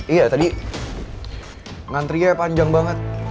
iya tadi ngantrinya panjang banget